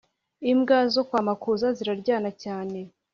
Imbwa zokwamakuz ziraryana cyane